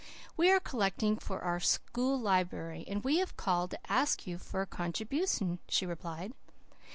"We are collecting for our school library, and we have called to ask you for a contribution," she replied.